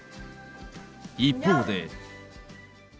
一方で。